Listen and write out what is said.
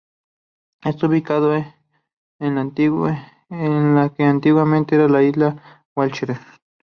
Está ubicado en la que antiguamente era la isla Walcheren.